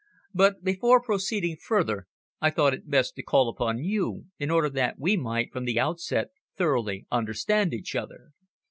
"But before proceeding further, I thought it best to call upon you, in order that we might from the outset thoroughly understand each other.